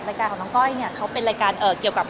การของน้องก้อยเนี่ยเขาเป็นรายการเกี่ยวกับ